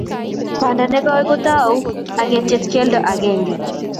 banda ne koi kotau ak ketiech keldo akenge